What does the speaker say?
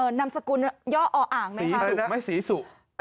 นำสกุลย่อออ่างไหมครับสีสุไม่สีสุ